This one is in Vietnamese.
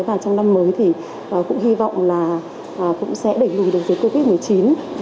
và trong năm mới thì cũng hy vọng là cũng sẽ đẩy lùi được dịch covid một mươi chín